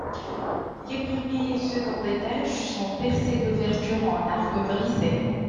Les premier et second étages sont percés d'ouvertures en arc brisé.